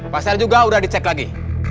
pasal juga sudah dicek lagi